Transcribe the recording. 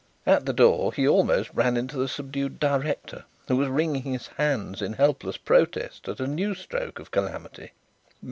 At the door he almost ran into the subdued director, who was wringing his hands in helpless protest at a new stroke of calamity.